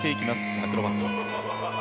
アクロバット。